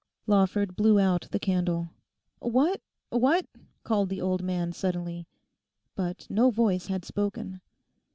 Lawford blew out the candle. 'What? What?' called the old man suddenly. But no voice had spoken.